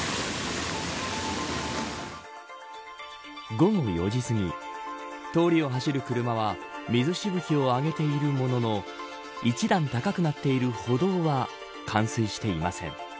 午後４時すぎ通りを走る車は水しぶきを上げているものの１段高くなっている歩道は冠水していません。